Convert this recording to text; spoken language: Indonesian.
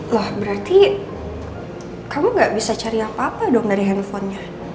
wah berarti kamu gak bisa cari apa apa dong dari handphonenya